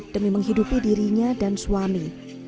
demi menghidupi dirinya dan suami